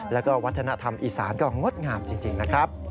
แล้วก็วัฒนธรรมอีสานก็งดงามจริงนะครับ